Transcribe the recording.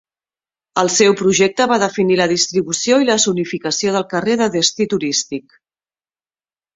El seu projecte va definir la distribució i la zonificació del carrer de destí turístic.